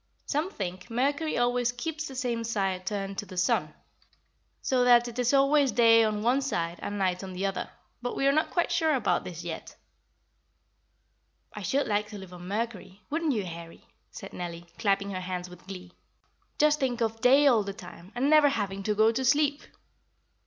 Some think Mercury always keeps the same side turned to the sun, so that it is always day on one side and night on the other, but we are not quite sure about this yet." "I should like to live on Mercury, wouldn't you, Harry?" said Nellie, clapping her hands with glee. "Just think of day all the time, and never having to go to sleep!"